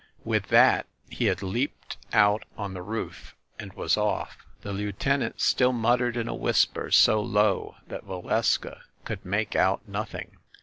With that, he had leaped out on the roof and was off. The lieutenant still muttered in a whisper so low that Valeska could make out nothing.